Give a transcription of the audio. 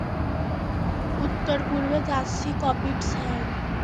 উত্তর পূর্বে যাচ্ছি কপিড, স্যার।